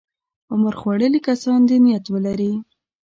عمر خوړلي کسان دې نیت ولري.